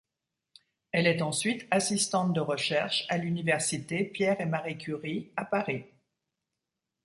Elle est ensuite assistante de recherche à l'université Pierre-et-Marie-Curie à Paris.